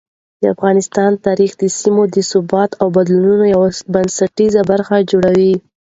د افغانستان تاریخ د سیمې د ثبات او بدلونونو یو بنسټیزه برخه جوړوي.